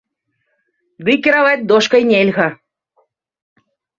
Ды і кіраваць дошкай нельга.